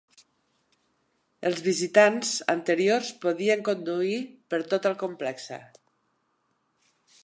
Els visitants anteriors podien conduir per tot el complexe.